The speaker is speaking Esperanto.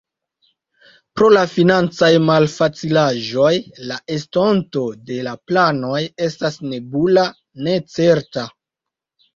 Pro la financaj malfacilaĵoj, la estonto de la planoj estas nebula, necerta.